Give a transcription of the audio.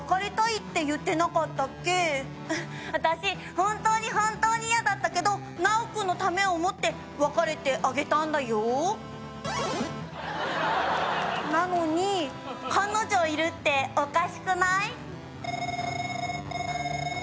本当に本当に嫌だったけどナオ君のためを思って別れてあげたんだよなのに彼女いるっておかしくない？